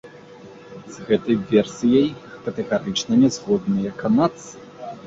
З гэтай версіяй катэгарычна не згодныя канадцы.